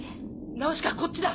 ナウシカこっちだ！